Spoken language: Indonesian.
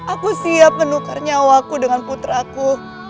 aku siap menukar nyawaku dengan putraku